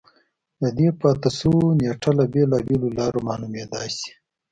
د دې پاتې شونو نېټه له بېلابېلو لارو معلومېدای شي